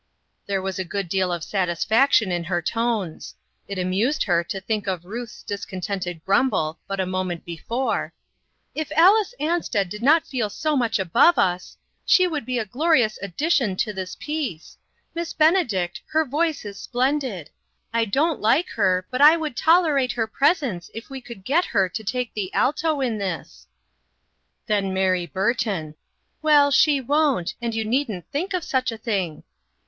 There was a good deal of satisfaction in her tones. It amused her to think of Ruth's discontented grumble but a moment before :" If Alice Ansted did not feel so much above us, she would be a glorious addition 22O INTERRUPTED. to this piece. Miss Benedict, her voice is splendid. I don't like her, but I would tolerate her presence if we could get her to take the alto in this." Then Mary B urton :" Well, she won't ; and you needn't think of such a thing."